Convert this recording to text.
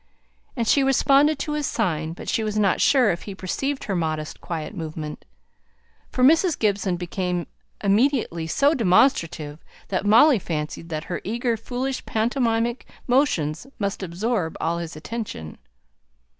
And she responded to his sign; but she was not sure if he perceived her modest quiet movement, for Mrs. Gibson became immediately so demonstrative that Molly fancied that her eager foolish pantomimic motions must absorb all his attention.